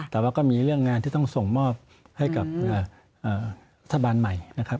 แต่ว่าก็มีเรื่องงานที่ต้องส่งมอบให้กับรัฐบาลใหม่นะครับ